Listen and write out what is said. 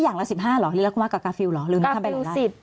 อย่างละสิบห้าหรอรีลักษณ์คุมะกราฟิวหรอรีลักษณ์กราฟิวสิบ